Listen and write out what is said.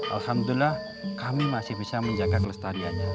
alhamdulillah kami masih bisa menjaga kelestariannya